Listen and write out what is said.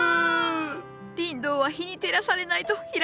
リンドウは日に照らされないと開かない花じゃ。